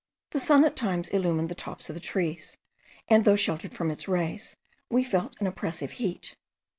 The sun at times illumined the tops of the trees; and, though sheltered from its rays, we felt an oppressive heat.